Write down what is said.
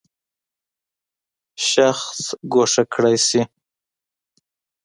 شخص ګوښه کړی شي.